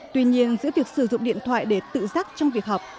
tuy nhiên giữa việc sử dụng điện thoại để tự giác trong việc học